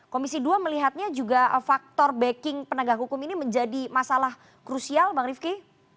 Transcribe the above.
komisi dua melihatnya juga faktor backing penegak hukum ini menjadi masalah krusial bang rifki